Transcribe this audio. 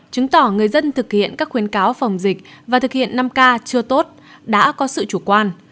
chứng tỏ người dân thực hiện các khuyến cáo phòng dịch và thực hiện năm k chưa tốt đã có sự chủ quan